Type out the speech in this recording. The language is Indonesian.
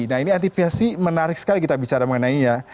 nah ini antisipasi menarik sekali kita bicara mengenainya